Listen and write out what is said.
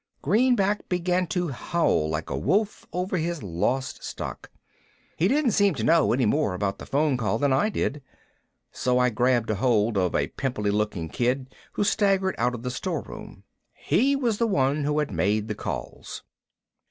Greenback began to howl like a wolf over his lost stock. He didn't seem to know any more about the phone call than I did, so I grabbed ahold of a pimply looking kid who staggered out of the storeroom. He was the one who had made the calls.